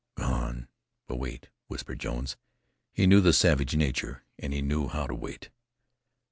"Gone. But wait," whispered Jones. He knew the savage nature, and he knew how to wait.